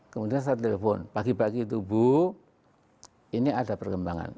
kemudian saya telepon pagi pagi tubuh ini ada perkembangan